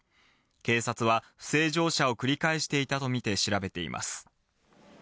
警察は不正乗車を繰り返していたと見て、調べています。